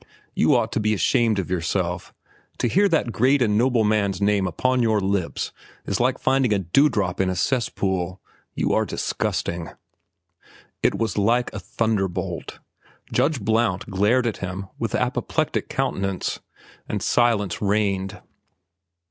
You ought to be ashamed of yourself. To hear that great and noble man's name upon your lips is like finding a dew drop in a cesspool. You are disgusting." It was like a thunderbolt. Judge Blount glared at him with apoplectic countenance, and silence reigned.